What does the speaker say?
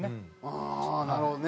ああなるほどね。